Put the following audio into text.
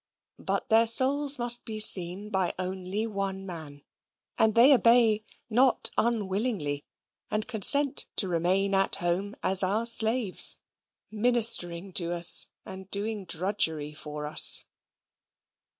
But their souls must be seen by only one man, and they obey not unwillingly, and consent to remain at home as our slaves ministering to us and doing drudgery for us.